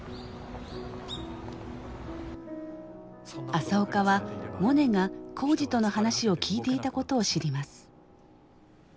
朝岡はモネが耕治との話を聞いていたことを知ります。